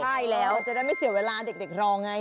ใช่แล้วจะได้ไม่เสียเวลาเด็กรอไง